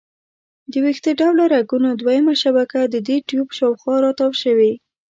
د ویښته ډوله رګونو دویمه شبکه د دې ټیوب شاوخوا را تاو شوي.